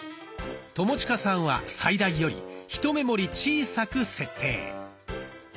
友近さんは最大よりひと目盛り小さく設定。